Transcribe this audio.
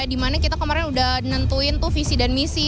dimana kita kemarin udah nentuin tuh visi dan misi